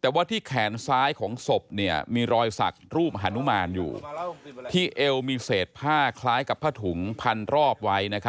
แต่ว่าที่แขนซ้ายของศพเนี่ยมีรอยสักรูปฮานุมานอยู่ที่เอวมีเศษผ้าคล้ายกับผ้าถุงพันรอบไว้นะครับ